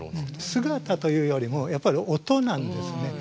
姿というよりもやっぱり音なんですね。